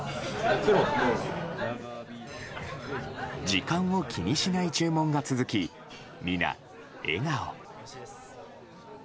時間を気にしない注文が続き皆、笑顔。